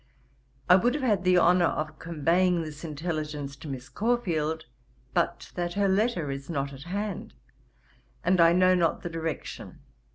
'I would have had the honour of conveying this intelligence to Miss Caulfield, but that her letter is not at hand, and I know not the direction.